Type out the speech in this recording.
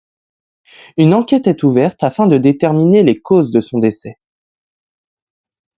Une enquête est ouverte afin de déterminer les causes de son décès.